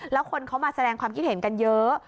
แล้วคนเขามาแสดงความคิดเห็นกันเยอะ